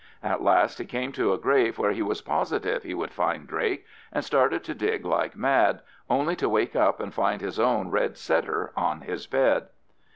At last he came to a grave where he was positive he would find Drake, and started to dig like mad, only to wake up and find his own red setter on his bed.